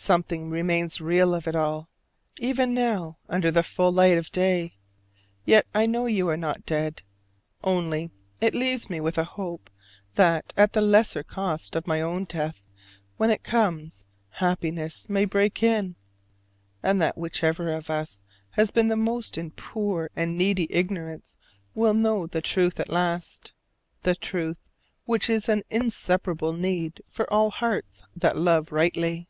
Something remains real of it all, even now under the full light of day: yet I know you are not dead. Only it leaves me with a hope that at the lesser cost of my own death, when it comes, happiness may break in, and that whichever of us has been the most in poor and needy ignorance will know the truth at last the truth which is an inseparable need for all hearts that love rightly.